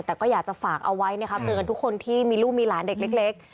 แต่ก็อยากจะฝากเอาไว้เตือนทุกคนที่มีลูกมีหลานเด็ก